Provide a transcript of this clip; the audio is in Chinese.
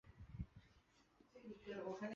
以猪下水为主料的中式菜肴有咸菜炒猪肚等。